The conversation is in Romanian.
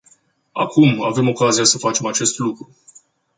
Acum, avem ocazia să facem acest lucru.